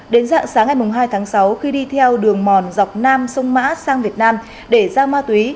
đến dạng sáng ngày hai tháng sáu khi đi theo đường mòn dọc nam sông mã sang việt nam để giao ma túy